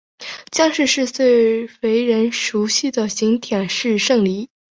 姜市最为人熟悉的景点是圣陵。